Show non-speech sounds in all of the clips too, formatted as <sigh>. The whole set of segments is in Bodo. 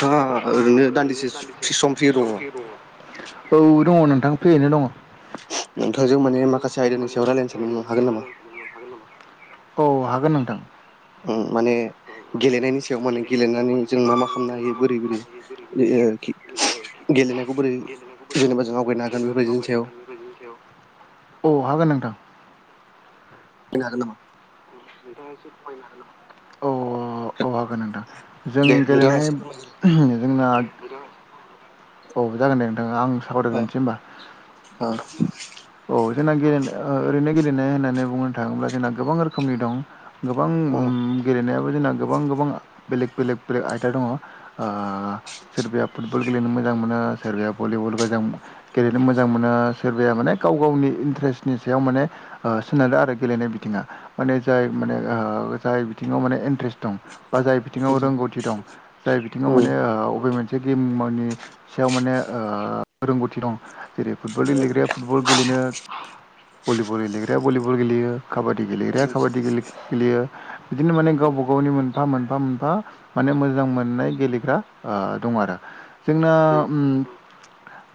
थाङा ओरैनो दान्दिसे फ्रि सम फ्रि दङ। औ दङ नोंथां फ्रियैनो दङ। नोंथांजों माने माखासे आयदानि सायाव रायजलायनो सानदोंमोन हागोन नामा? <unintelligible> औ हागोन नोंथां। उम माने गेलेनायनि सो बेयाव माने गेलेनानै जों मा मा खालामनो हायो बोरै बोरै ओ गेलेनायखौ बोरै जेनेबा जों आगायनो हागोन बेफोरबायदिनि सायाव <unintelligible> अ हागोन नोंथां। <unintelligible> हागोन नामा? औ औ हागोन नोंथां। जों गेलेनाय जोंना औ जागोन दे नोंथां आं सावरायरग्रोनोसै होनोमबा। औ जोंना गेल ओरैनो गेलेनाय होननानै बुंनो थाङोब्ला जोंना गोबां रोखोमनि दं। गोबां उम गेलेनायाबो जोंना गोबां गोबां बेलेग बेलेग बेलेग आयदा दङ। ओ सोरबाया फुटबल गेलेनो मोजां मोना सोरबाया भलिबल मोजां गेलेनो मोजां मोना सोरबाया माने गाव गावनि इन्टारेस्टनि सायाव माने ओ सोनारो आरो गेलेनाय बिथिङा। माने जाय माने ओ जाय बिथिङाव माने इन्ट्रेस्ट दं। बा जाय बिथिङाव रोंगौथि दं जाय बिथिङाव माने बबे मोनसेया गेमनि सायाव माने ओ रोंगौथि दं जेरै फुटबल गेलेग्राया फुटबल गेलेनो भलिबल गेलेग्राया भलिबल गेलेयो खाबादि गेलेग्राया खाबादि ग गेलेयो बिदिनो माने गावबा गावनि मोनफा मोनफा मोनफा माने मोजां मोननाय गेलेग्रा ओ दं आरो। ना उम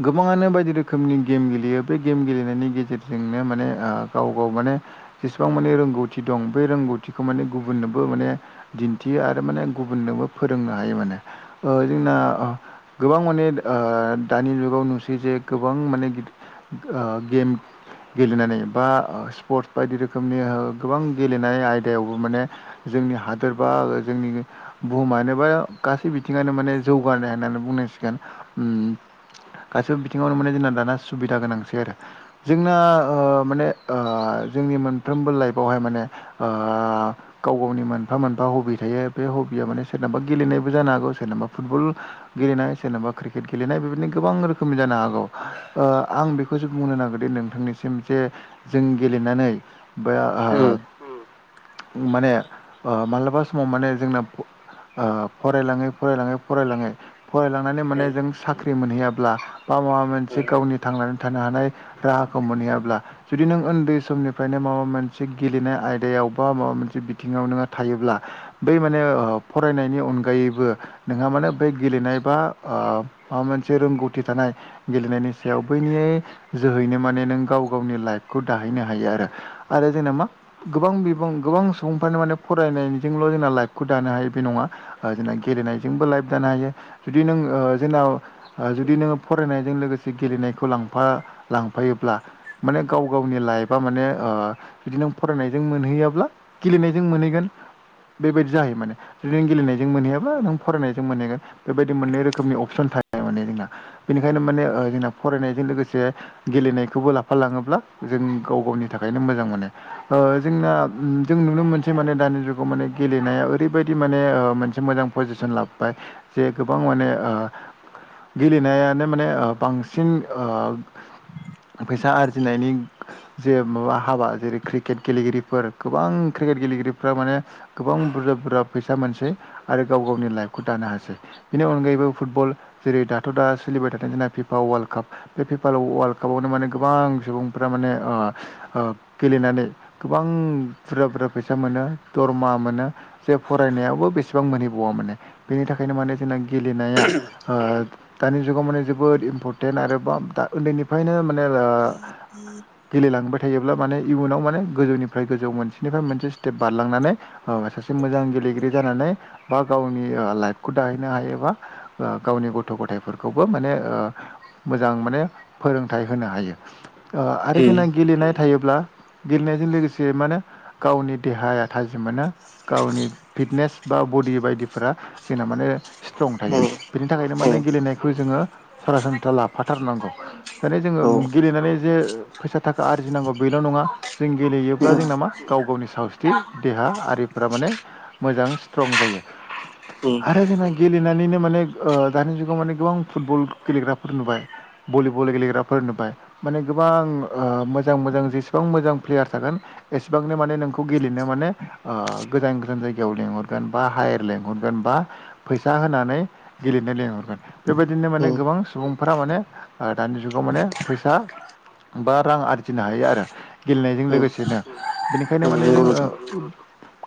गोबाङानो बायदि रोखोमनि गेम गेलेयो बे गेम गेलेनायनि गेजेरजोंनो मानेओ गाव गाव माने जेसेबां माने रोंगौथि दं बे रोंगौथिखौ माने गुबुननोबो माने दिन्थियो आरो माने गुबुननोबो फोरोंनो हायो माने ओ जोंना गोबां माने ओ दानि जुगाव नुसै जे गोबां माने गिद गेम गेलेनानै बा स्पर्टस बायदि रोखोमनि गोबां गेलेनाय आयदायावबो माने जोंनि हादोर बा जोंनि बुहुमानो बा गासै बिथिङानो माने जौगानाय होननानै बुंनांसिगोन उम गासैबो बिथिङावनो माने जोंना दाना सुबिदा गोनांसै आरो। जोंना ओ माने ओ जोंनि मोनफ्रोमबो लाइफआवहाय माने ओ गाव गावनि मोनफा मोनफा हबि थायो बे हबिया माने सोरनाबा गेलेनायबो जानो हागौ सोरनाबा फुटबल गेलेनाय सोरनाबा क्रिकेट गेलेनाय बेबायदिनो गोबां रोखोमनि जानो हागौ। ओ आं बेखौसो बुंनो नागिरो नोंथांनिसिम जे जों गेलेनानै बे आ हा माने ओ माब्लाबा समाव माने जोंना ओ फरायलाङै फरायलाङै फरायलाङै फरायलांनानै माने जों साख्रि मोनहैयाब्ला बा माबा मोनसे गावनि थांनानै थानो हानाय राहाखौ मोनहैयाब्ला जुदि नों उन्दै समनिफ्रायनो माबा मोनसे गेलेनाय आयदायाव बा माबा मोनसे बिथिङाव नोङो थायोब्ला बै माने फरायनायनि अनगायैबो नोंहा माने बै गेलेनाय बा ओ माबा मोनसे रोंगौथि थानाय गेलेनायनि सायाव बैनि जोहैनो माने नों गाव गावनि लाइफखौ दाहैनो हायो आरो। आरो जोंना मा गोबां बिबां गोबां सुबुंफ्रानो माने फरायनायजोंल' जोंना लाइफखौ दानो हायो बे नङा जोंना गेलेनायजोंबो लाइभ दानो हायो जुदि नों जोंनाव जुदि नोङो फरायनायजों लोगोसे गेलेनायखौ लांफा लांफायोब्ला माने गाव गावनि लाइफा माने बिदि नों फरायनायजों मोनहैयाब्ला गेलेनायजों मोनहैगोन बेबायदि जाहैयो माने जुदि नों गेलेनायजों मोनहैयाबा नों फरायनायजों मोनहैगोन बेबायदि मोननै रोखोमनि अपसन थायो माने जोंना बेनिखायनो माने जोंना फरायनायजों लोगोसे गेलेनायखौबो लाफालाङोब्ला जों गाव गावनि थाखायनो मोजां माने जोंना जों नुनो मोनसै माने दानि जुगाव माने गेलेनाया ओरैबायदि माने ओ मोनसे मोजां पजिसन लाबबाय जे गोबां माने ओ गेलेनायानो माने बांसिन ओ फैसा आरजिनायनि जे माबा हाबा जेरै क्रिकेट गेलेगिरिफोर गोबां क्रिकेट गेलेगिरिफोरा माने गोबां बुरजा बुरजा फैसा मोनसै आरो गाव गावनि लाइफखौ दानो हासै। बेनि अनगायैबो फुटबल जेरै दाथ' दा सोलिबाय थादों जोंना फिफा वार्ल्ड काप बे पेपालाव वार्ल्ड कापावनो माने गोबां सुबुंफ्रा माने ओ ओ गेलेनानै गोबां बुरजा बुरजा फैसा मोनो दरमा मोनो जे फरायनायावबो बेसेबां मोनहैबावा माने बेनि थाखाय बेखायनो माने जोंना गेलेनाया ओ दानि जुगाव माने जोबोद इम्परटेन्ट आरो <unintelligible> उन्दैनिफ्रायनो माने ओ गेलेलांबाय थायोब्ला माने इयुनाव माने गोजौनिफ्राय गोजौ मोनसेनिफ्राय मोनसे स्टेप बारलांनानै सासे मोजां गेलेगिरि जानानै बा गावनि ओ लाइफ दाहैनो हायोबा गावनि ओ गथ' गथायफोरखौबो माने ओ मोजां माने फोरोंथाइ होनो हायो आरो जोंना गेलेनाय थायोब्ला गेलेनायजों लोगोसे मानो गावनि देहाया थाजिम मोनो गावनि फिटनेस बा बडि बायदिफोरा जोंना माने स्ट्रं थायो बेनि थाखायनो माने गेलेनायखौ जोङो सरासनस्रा लाफाथारनांगौ दे जोङो गेलेनानै जे फैसा थाखा आरजिनांगौ बेल' नङा जों गेलेयोब्ला जोंनाामा गाव गावनि सावस्रि देहा आरिफोरा माने मोजां स्ट्रं जायो आरो जोंना गेलेनानैनो माने दानि जुगाव माने गोबां फुटबल गेलेग्राफोर नुबाय भलिबल गेलेग्राफोर नुबाय माने गोबां ओ मोजां मोजां जेसेबां मोजां प्लेयार थागोन एसेबांनो माने नोंखौ गेलेनो माने गोजान गोजान जायगायाव लेंहरगोन बा हायेर लेंंहरगोन बा फैसा होनानै गेलेनो लिंहरगोन बेबायदिनो माने गोबां सुबुंफ्रा माने ओ दानि जुगाव माने फैसा बा रां आरजिनो हायो आरो गेलेनायजों लोगोसेनो बेनिखायनो माने जोङो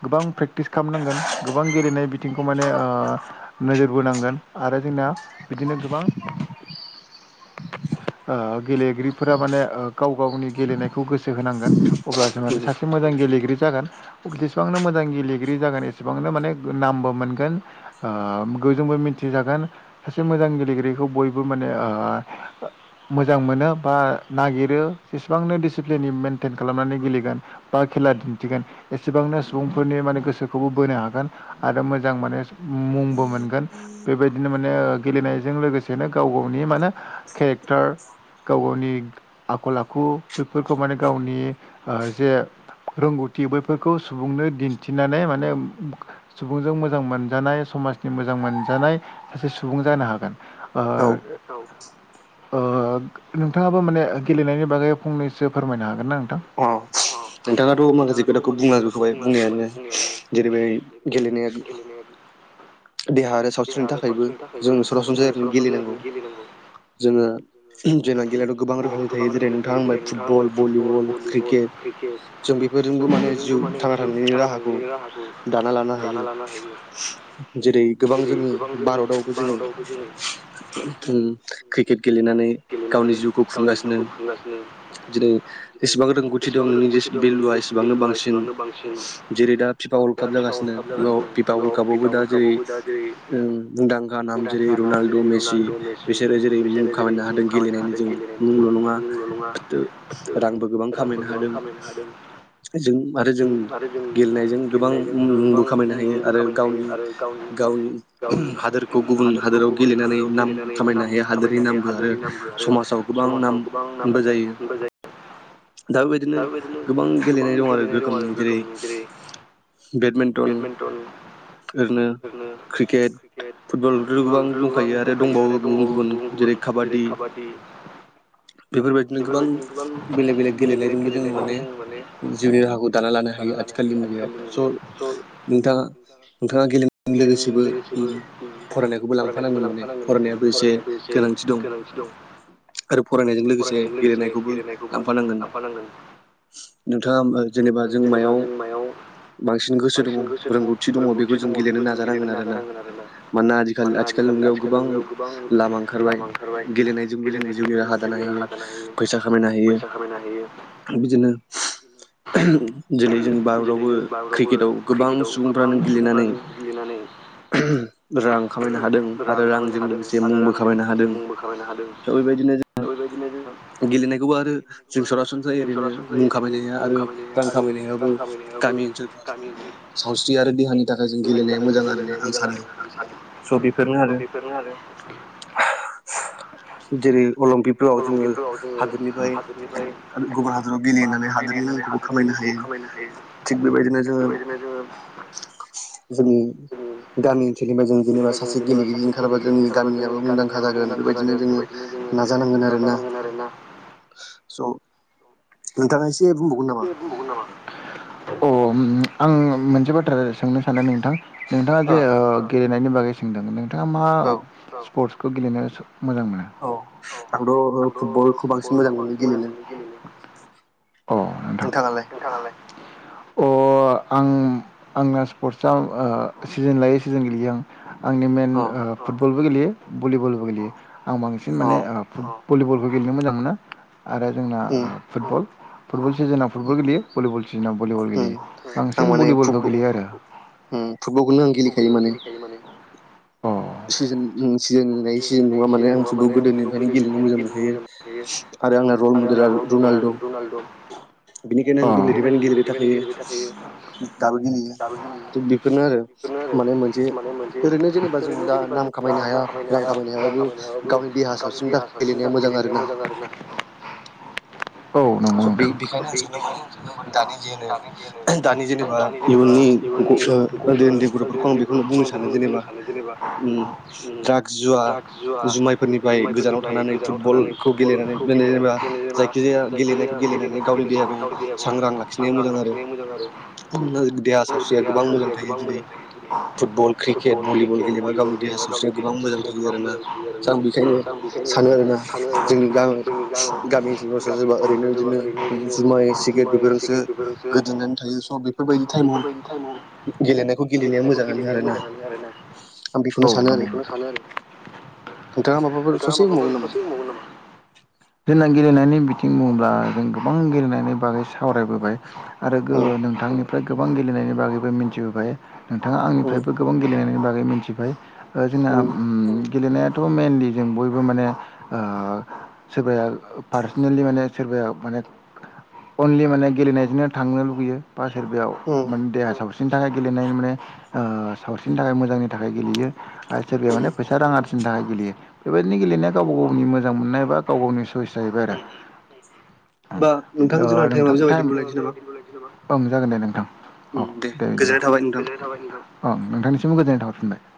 गोबां प्रेक्टिस खालामनांगोन गोबां गेलेनाय बिथिंखौ माने ओ ओ नोजोर बोनांगोन आरो जोंना बिदिनो गोबां <inaudible> गेलेगिरिफोरा माने गाव गावनि गेलेनायखौ गोसो होनांगोन अब्लासो माने सासे मोजां गेलेगिरि जागोन जेसेबांनो मोजां गेलेगिरि जागोन एसेबांनो माने नामबो मोनगोन ओ गोजोंबो मिथिजागोन सासे मोजां गेलेगिरिखौ बयबो माने ओ मोजां मोनो बा नागिरो जेसेबांनो डिसिप्लिननि मेेनटेन खालामनानै गेलेगोन बा खेला दिन्थिगोन एसेबांनो सुबुंफोरनि माने गोसोखौबो बोनो हागोन आरो मोजां माने मुंबो मोनगोन बेबायदिनो माने गेलेनायजों लोगोसेनो गाव गावनि माने केरेक्टार गाव गावनि आखल आखु बेफोरखौ माने गावनि जे रोंगौथि बैफोरखौ सुबुंनो दिन्थिनानै माने सुबुंजों मोजां मोन जानाय समाजनि मोजां मोनजानाय सासे सुबुं जानो हागोन ओ ओ नोंथाङाबो माने गेलेनायनि बागै फंनैसो फोरमायनो हागोन ना नोंथां नोंथाङाथ' माखासे खोथाखौ बुंना जोबखाय बुंनायानो जेरैबाय गेलेनाया <unintelligible> <unintelligible> <unintelligible> जों बयजोंबो माने जिउ थांना थानायनि राहाखौ दाना लानो हायो जेरै गोबां जोंनि भारतआवबो जों क्रिकेट गेलेनानै गावनि जिउखौ खुंगासिनो होमब्लाासनो दिनै जेसेबां रोंगौथि दं नोंनि जे भेलुआ एसेबांनो बांसिन जेरै दा फिफा वर्ल्ड काप जागासिनोा फिफा वर्ल्ड कापावबो दा जेरै ओ मुंदांखा नाम जेरै रनाल्द' मेसि बिसोरो जेरै मुं खामायनो हादों गेलेनायनि जों मुंल' नङा रांबो गोबां खामायनो हादों जों आरो जों गेलेनायजों गोबां मुंबो खामायनो हायो आरो गावनि गावनि उम हादोरखौ गुबुन हादोराव गेलेनानै नाम खामायनो हायो हादोरनि नामबो आरो समाजाव गोबां नामबो जायो दा बेबायदिनो गोबां गेलेनाय दं आरो रोखोमनि जेरै बेडमिन्टन ओरनो क्रिकेट फुटबलथ गोबां दंखायो आरो दंबावो गुबुन गुबुन <unintelligible> जेरै काबादि बेफोरबायदिनो गोबां बेलेक बेलेक गेलेनायजोंबो जोङो माने जिउनि राहाखौ दाना लानो हायो आथिखालनि मुगायाव स' नोंथाङा <unintelligible> गेलेजों लोगोसेबो फरायनायखौबो लांफानांगौ मोनो फरायनायाबो एसे गोनांथि दं आरो फरायनायजों लोगोसे गेलेनायखौबो लांफानांगोन नोंथाङा जेनेबा जों मायाव बांसिन गोसो दङ रोंगौथि दङ बे ग जों गेलेनो नाजानांगोन आरो ना मानोना आजखााल आथिखाल मुगायाव गोबां लामा ओंखारबाय गेलेनायजोंबो जों जिउनि राहा दानो हायो फैसा खामायनो हायो बिदिनो दिनै जोंनि भारतावबो क्रिकेटाव गोबां सुबुंफ्रानो सुबुंफ्रानो लिरनानै रां खामायनो हादों आरो रांजों लोगोसे मुंबो खामायनो हादों स' बेबायदिनोों गेलेनायखौबो आरो जों सरासनस्रायै ओरैनो मुं खामायनाया आरो रां खामायनायाबो गामि ओनसोलफ्राव जोङो सावस्रि आरो‌देहा खौस्थि आरो देहानि थाखाय जों गेलेनाया मोजांनो आं सानो स' बेफोरनो आरो जेरै अलिम्पिकफोराव जोङो हादोरनिफ्राय गुबुन हादराव गेलेनानै हादोरनि मुंखौबो खामायनो थिग बे थिग बे बादिनो जोङो जोंनि गामि ओनसोलनिफ्राया जों जेनेबा सासे गेलेगिरि ओंखारबा जोंनि गामियाबो मुंदांखा जागोन बेबायदिनो जोङो बिदिनो जोङो नाजानांगोन आरो ना स' नोंथाङा एसे बुंबावगोन नामा <inaudible> अ आं मोनसे बाथ्रा सोंनो सान नोंथां <unintelligible> नोंथाङा जे गेलेनायनि बागै सोंदों नोंथाङा मा स्पर्टसखौ गेलेनो मोजां मोनो औ आंथ' फुटबलखौ बांसिन मोजां मोनो गेलेनो। नोंथां आलाय नोंथां आलाय अ आं आंना स्पर्टस सिजोन लायो सिजोन गेलेयो आं आंनि मइेन फुटबलबो गेलेयो भलिबलबो गेलेयो आं बांसिन माने भलिबलखौ गेलेनो मोजां मोनो आरो जोंना फुटबल फुटबल सिजोनाव फुटबल गेलेयो भलिबल सिजोनाव भलिबल गेलेयो बांसिन भलिबलखौ गेलेयो आरो फुटबल खौनो आं गेलेखायो माने <inaudible> सिजोन सिजोननाय सिजोन नङा माने आं फुटखौ गोदोनिफ्रायनो गेलेनो मोजां मोनखायो। आरो आंना रल मडेल रनाल्ड' बेनिखायनो आंलिरैबायानो गेलेबाय थाखायो दाबो गेलेयो थ' बेफोरनो आरो माने मोनसे ओरैनो जेनेबा जों दा नाम खामायनो हाया रां खामायनो हाबाबो गावनि देहा सावस्रिनि थाखाय गेलेनाया मोजां आर ना <inaudible> <inaudible> स' बे बेखायनो आं सानो माने दानि जो दानि जेनेबा इयुननि उन्दै उन्दै गथ'फोरखौ आं बेखौनो बुंनो सानो जेनेबा द जुवा जुमायफोरनिफ्राय गोजानाव थानानै फुटबल खौ गेलेनानै जेनेबा जायखिजाया गेलेनायखौ गेलेनानै गावनि देहाखौ सांग्रां लाखिनाया मोजां आरो देहा सावस्रिया गोबां मोजां थायो जेरै फुटबल क्रिकेट भलिबल गेलेबा गावनि देहा सावस्रिया गोबां सिया गोबां मोजां जायो आरोना दा आं बेखायनो सानो आरोना जोंनि गामियाव गामिनि जमाफोर जबा ओरैनोदिनो जुमाय सिगेट बेफोरसोन <unintelligible> बेफोरबायनि टाइमाव गेलेनायखौ गेलेनाया मोजां मोनो आरोना औ आं बेखौनो सानो आरो नोंथाङा माबाफोर ससे बुंबावगोन नामा जोंना गेलेनायनि बिथिं बुङोब्ला जों गोबां गेलेनायनि बागै सावरायबोबाय आरो नोंथांनिफ्राय गोबां गेलेनायनि बागैबो मिथिबोबाय <unintelligible> नोंथाङा आंनिफ्रायबो गोबां गेलेनायनि बागै मिथिबाय जोंना <unintelligible> गेलेनायाथ' मइेनलि जों बयबो माने सोरबाया पार्सनेलि माने सोरबाया माने अनलि माने गेलेनायजोंनो थांनो लुुबैयो बा सेरबयाव मे देहा सावस्रिनि थाखाय गेलेनायनि माने सावस्रिनि थाखाय मोजांनि थाखाय गेलेयो आरो सोरबाया माने फैसा रां आरिनि थाखाय गेलेयो <unintelligible> बेबायदिनो गेलेनाया गावबा गावनि मोजां मोननाय बा गाव गावनि सयइस जाहैबाय आरो होमबा नोंथां जोंना टाइमाव जाबाय दे दोनलायनोसै नामा। ओं जागोन दे नोंथां औ दे बिदिबा गोज औ नोंथांनिसिमबो गोजोननाय थाबरफिनबाय